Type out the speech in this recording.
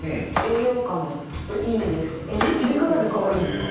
切り方で変わるんですか？